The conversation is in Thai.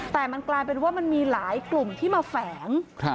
แต่มันกลายเป็นว่ามันมีหลายกลุ่มที่มาแฝง